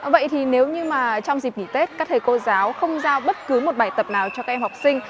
vậy thì nếu như mà trong dịp nghỉ tết các thầy cô giáo không giao bất cứ một bài tập nào cho các em học sinh